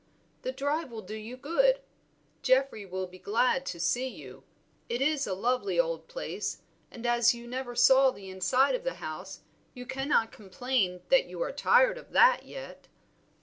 The drive will do you good, Geoffrey will be glad to see you, it is a lovely old place, and as you never saw the inside of the house you cannot complain that you are tired of that yet."